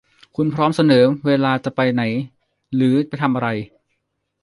คุณพร้อมเสมอเวลาจะไปไหนหรือไปทำอะไร